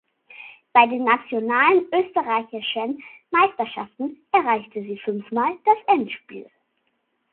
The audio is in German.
Bei den nationalen österreichischen Meisterschaften erreichte sie fünfmal das Endspiel.